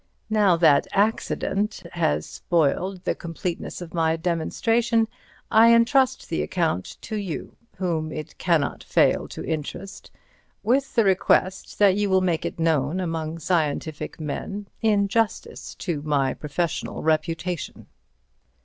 Now that accident has spoiled the completeness of my demonstration, I entrust the account to you, whom it cannot fail to interest, with the request that you will make it known among scientific men, in justice to my professional reputation.